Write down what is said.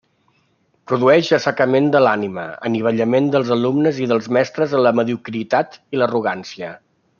Produeix assecament de l'ànima, anivellament dels alumnes i dels mestres en la mediocritat i l'arrogància.